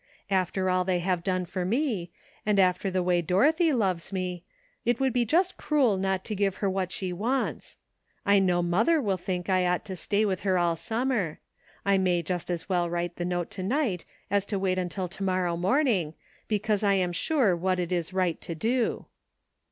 After all they have done for me, and after the way Dorothy loves me, it would be just cruel not to give her what she wants. I know mother will think I ought to stay with her all summer. I may just as well write the note to night as to wait until to morrow morning, because I am sure what it is right to do."